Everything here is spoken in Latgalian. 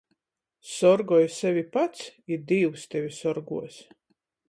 Sorgoj sevi pats, i Dīvs tevi sorguos.